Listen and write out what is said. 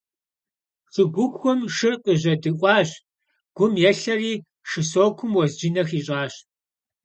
Шыгухум шыр къыжьэдикъуащ, гум елъэри, шы сокум уэзджынэ хищӏащ.